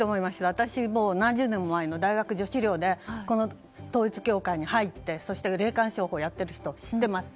私、何十年も前の大学女子寮でこの統一教会に入って霊感商法をやってる人を知っています。